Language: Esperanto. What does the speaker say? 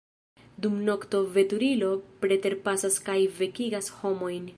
Dum nokto veturilo preterpasas kaj vekigas homojn.